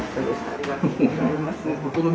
ありがとうございます。